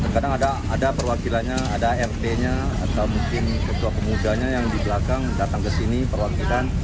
kadang ada perwakilannya ada rt nya atau mungkin ketua pemudanya yang di belakang datang ke sini perwakilan